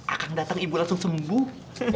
akang dateng ibu langsung sembuh